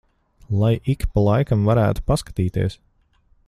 Lai ik pa laikam varētu paskatīties.